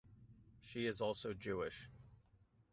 She is also Jewish.